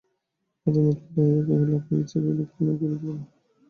পাঠান উৎফুল্ল হইয়া কহিল, আপনি ইচ্ছা করিলে কী না করিতে পারেন।